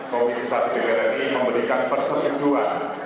komisi satu dpr ri memberikan persetujuan